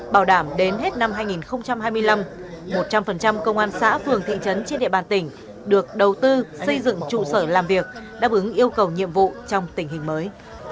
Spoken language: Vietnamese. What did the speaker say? bảo đảm đến hết năm hai nghìn hai mươi năm một trăm linh công an xã phường thị trấn trên địa bàn tỉnh được đầu tư xây dựng trụ sở làm việc đáp ứng yêu cầu nhiệm vụ trong tình hình mới